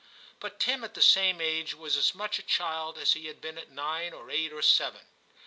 But Tim at the same age was as much a child as he had been at nine or eight or seven.